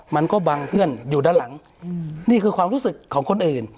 มันก็บังเพื่อนอยู่ด้านหลังนี่คือความรู้สึกของคนอื่น